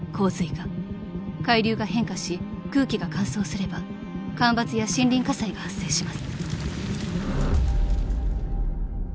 ［海流が変化し空気が乾燥すれば干ばつや森林火災が発生します］